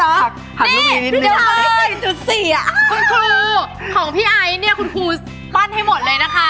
หักลูกนี้นี่เดี๋ยวเต็มสี่จุดสี่อ่ะคุณครูของพี่ไอ้เนี่ยคุณครูปั้นให้หมดเลยนะคะ